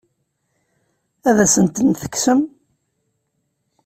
Ad asen-ten-tekksem?